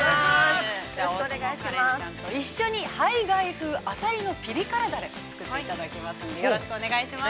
◆花恋ちゃんと一緒にハイガイ風あさりのピリ辛だれ作っていただきますのでよろしくお願いします。